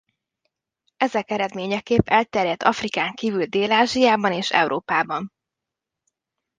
Ezek eredményeképp elterjedt Afrikán kívül Dél-Ázsiában és Európában.